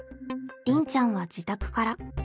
りんちゃんは自宅から。